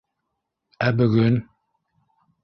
Ә бөгөн?